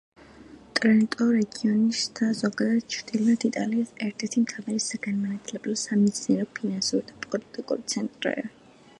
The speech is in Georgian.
ტრენტო რეგიონის და ზოგადად ჩრდილოეთ იტალიის ერთ-ერთი მთავარი საგანმანათლებლო, სამეცნიერო, ფინანსური და პოლიტიკური ცენტრია.